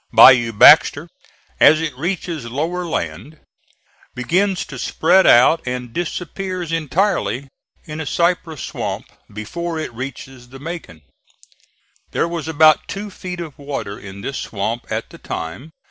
Bayou Baxter, as it reaches lower land, begins to spread out and disappears entirely in a cypress swamp before it reaches the Macon. There was about two feet of water in this swamp at the time.